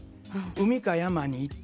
海か山に行って。